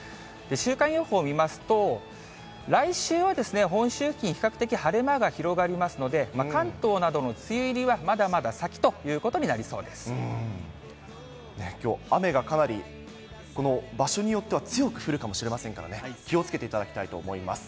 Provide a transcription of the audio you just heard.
週間予報見ますと、来週は本州付近、比較的晴れ間が広がりますので、関東などの梅雨入りはまだまだ先きょう、雨がかなり場所によっては強く降るかもしれませんからね、気をつけていただきたいと思います。